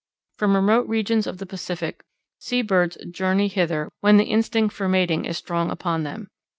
From remote regions of the Pacific sea birds journey hither when the instinct for mating is strong upon them.